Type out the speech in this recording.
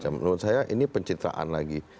menurut saya ini pencitraan lagi